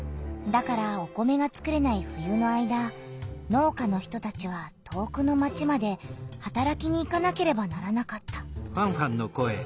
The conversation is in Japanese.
だからお米がつくれない冬の間農家の人たちは遠くの町まではたらきに行かなければならなかった。